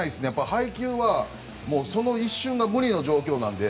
配球はその一瞬が無理の状況なので。